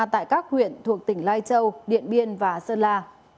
tại các huyện thuộc tỉnh lai châu điện biên và sơn la